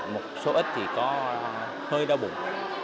một số ít thì có hơi đau bụng